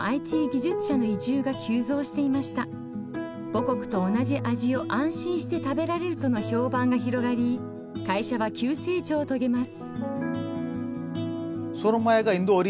母国と同じ味を安心して食べられるとの評判が広がり会社は急成長を遂げます。